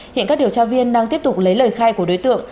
hiện các điều tra viên đang tiếp tục lấy lời khai của đối tượng